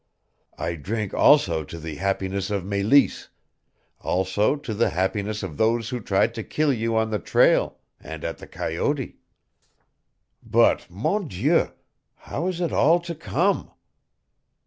I drink also to the happiness of Meleese, also to the happiness of those who tried to kill you on the trail and at the coyote. But, Mon Dieu, how is it all to come?